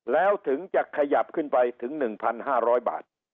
แล้วถึงจะขยับขึ้นไปถึงหนึ่งพันห้าร้อยบาท